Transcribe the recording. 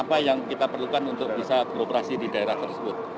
apa yang kita perlukan untuk bisa beroperasi di daerah tersebut